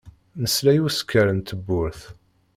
Nesla i usekkeṛ n tewwurt.